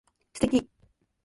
素敵